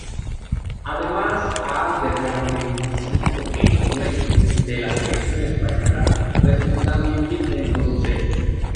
Además ha albergado veinticinco encuentros de la selección española, resultando invicta en todos ellos.